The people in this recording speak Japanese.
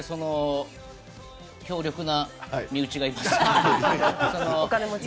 強力な身内がいますので。